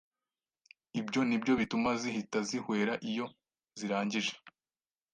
Ibyo nibyo bituma zihita zihwera iyo zirangije.”